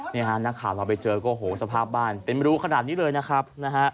นี่ฮะนักข่าวเราไปเจอก็โหสภาพบ้านเป็นรูขนาดนี้เลยนะครับนะฮะ